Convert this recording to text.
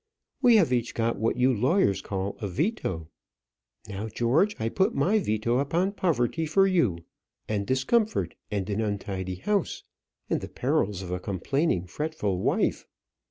We have each got what you lawyers call a veto. Now, George, I put my veto upon poverty for you, and discomfort, and an untidy house, and the perils of a complaining, fretful wife.